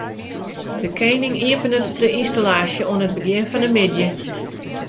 De kening iepenet de ynstallaasje oan it begjin fan de middei.